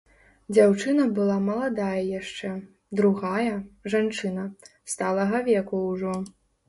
Дзяўчына была маладая яшчэ, другая, жанчына, сталага веку ўжо.